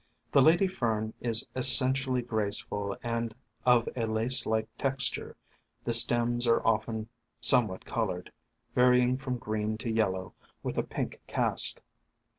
The Lady Fern is es sentially graceful and of a lace like texture, the stems are often somewhat colored, varying from green to yellow, with a pink cast.